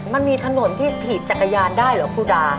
มันมีถนนที่ถีบจักรยานได้เหรอครูดา